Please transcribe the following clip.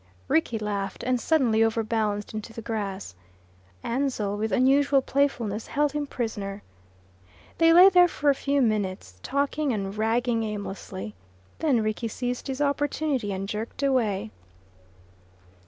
Rickie laughed, and suddenly over balanced into the grass. Ansell, with unusual playfulness, held him prisoner. They lay there for few minutes, talking and ragging aimlessly. Then Rickie seized his opportunity and jerked away.